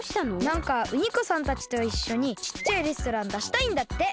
なんかウニコさんたちといっしょにちっちゃいレストランだしたいんだって。